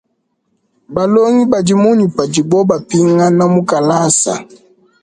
Balongi badi munyi padibo bapingana mu kalasa?